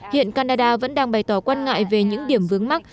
hiện canada vẫn đang bày tỏ quan ngại về những điểm vướng mắt